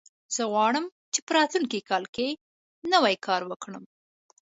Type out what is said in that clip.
زه غواړم چې په راتلونکي کال کې نوی کار وکړم